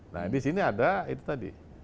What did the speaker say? nah di sini ada itu tadi